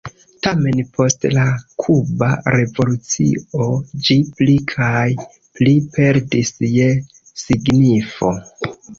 Tamen post la kuba revolucio ĝi pli kaj pli perdis je signifo.